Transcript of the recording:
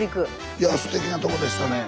いやすてきなとこでしたね。